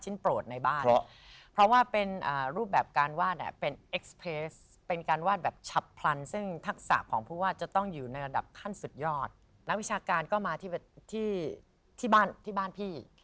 ยอดนักวิชาการก็มาที่บ้านพี่